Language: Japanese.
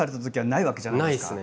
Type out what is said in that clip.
ないわけじゃないですか。